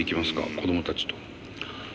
子供たちと。